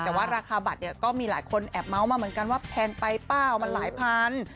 แต่ว่าราคาบัตรเนี่ยก็มีหลายคนแอบเม้ามาเหมือนกันว่าแพงไปเปล่ามันหลายพัน